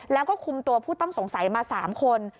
แล้วก็คุมตัวผู้ต้องสงสัยมา๓คน